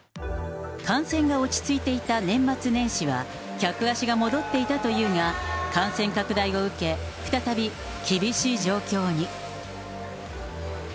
感染が落ち着いていた年末年始は、客足が戻っていたというが、感染拡大を受け、再び厳しい状況に。